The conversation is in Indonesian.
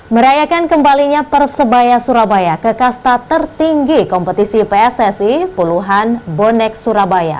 merayakan kembalinya persebaya surabaya ke kasta tertinggi kompetisi pssi puluhan bonek surabaya